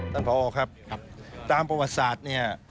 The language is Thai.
พอครับตามประวัติศาสตร์เนี่ย